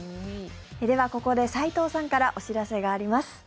ではここで、齊藤さんからお知らせがあります。